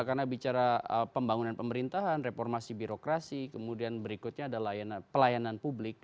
karena bicara pembangunan pemerintahan reformasi birokrasi kemudian berikutnya ada pelayanan publik